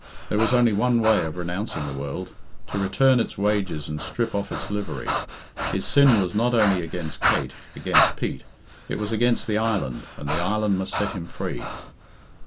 There was only one way of renouncing the world to return its wages and strip off its livery. His sin was not only against Kate, against Pete; it was against the island, and the island must set him free.